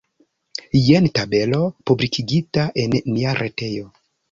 Jen tabelo, publikigita en nia retejo.